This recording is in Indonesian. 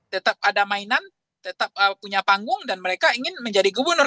tetap ada mainan tetap punya panggung dan mereka ingin menjadi gubernur